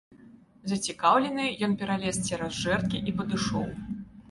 Зацікаўлены, ён пералез цераз жэрдкі і падышоў.